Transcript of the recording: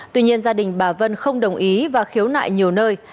tuy nhiên gia đình bà vân không đồng ý và khiếu nại nhiều nơi